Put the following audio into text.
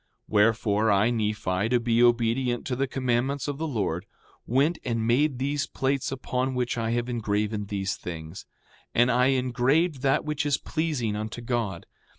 5:31 Wherefore, I, Nephi, to be obedient to the commandments of the Lord, went and made these plates upon which I have engraven these things. 5:32 And I engraved that which is pleasing unto God.